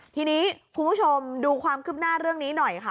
ทีนี้คุณผู้ชมดูความคืบหน้าเรื่องนี้หน่อยค่ะ